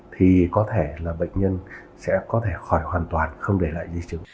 thì có thể là bệnh nhân sẽ có thể khỏi hoàn toàn không để lại di chứng